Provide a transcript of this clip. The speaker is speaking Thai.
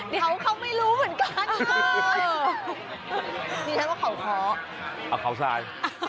นี้ให้ว่าเขาคอเขาใส